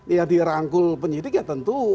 ya dirangkul penyidik ya tentu